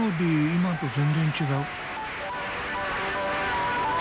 今と全然違う。